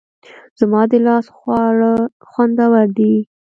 زما د لاس خواړه خوندور دي